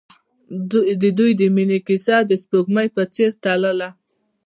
د دوی د مینې کیسه د سپوږمۍ په څېر تلله.